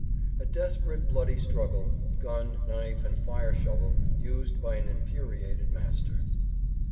A DESPERATE, BLOODY STRUGGLE GUN, KNIFE AND FIRE SHOVEL, USED BY AN INFURIATED MASTER.